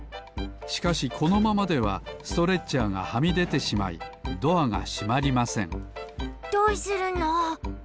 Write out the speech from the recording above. しかしこのままではストレッチャーがはみでてしまいドアがしまりませんどうするの？